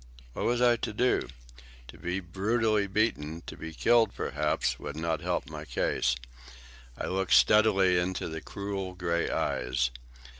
What was I to do? To be brutally beaten, to be killed perhaps, would not help my case. I looked steadily into the cruel grey eyes.